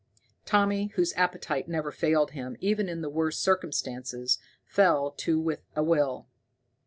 Tommy, whose appetite never failed him even in the worst circumstances, fell to with a will.